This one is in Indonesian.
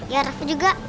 ya aku juga